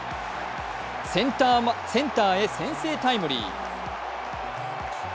センターへ先制タイムリー。